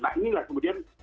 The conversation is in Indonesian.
nah inilah kemudian